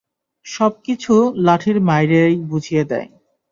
সবকিছু লাঠির মাইরেই বুঝিয়ে দেয়।